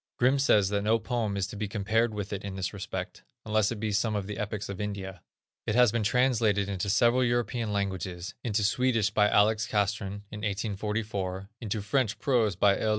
Grimm says that no poem is to be compared with it in this respect, unless it be some of the epics of India. It has been translated into several European languages; into Swedish by Alex. Castrén, in 1844; into French prose by L.